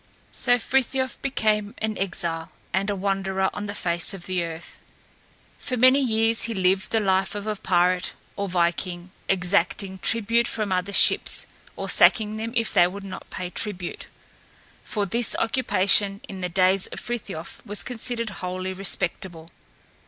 So Frithiof became an exile, and a wanderer on the face of the earth. For many years he lived the life of a pirate or viking, exacting tribute from other ships or sacking them if they would not pay tribute; for this occupation in the days of Frithiof was considered wholly respectable.